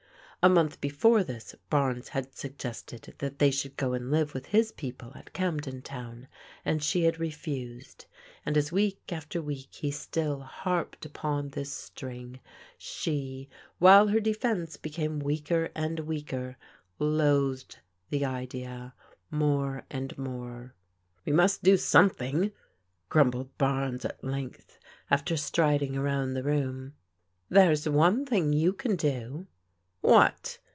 A month before this Barnes had suggested that they should go and live with his people' at Camden Town, and she had refused, and as week after week he still harped upon this string, she, while her defence became jveaker and weaker, loathed the idea more and more. PEGGY'S EOMANCE FADES 261 We must do something/* grumbled Bames at length, after striding around the room. " There's one thing you can do." "What?"